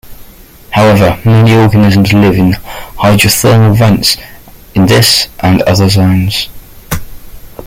However, many organisms live in hydrothermal vents in this and other zones.